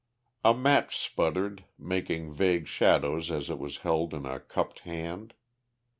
A match sputtered, making vague shadows as it was held in a cupped hand.